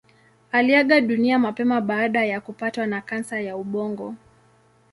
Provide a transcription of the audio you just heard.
Aliaga dunia mapema baada ya kupatwa na kansa ya ubongo.